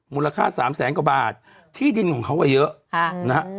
มูลค่าสามแสนกว่าบาทที่ดินของเขาเยอะนะฮะ